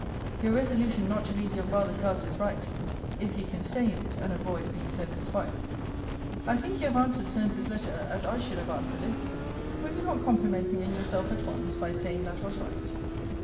Your resolution not to leave your father's house is right if you can stay in it, and avoid being Solmes's wife. I think you have answered Solmes's letter, as I should have answered it. Will you not compliment me and yourself at once, by saying, that was right?